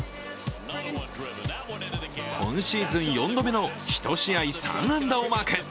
今シーズン４度目の１試合３安打をマーク。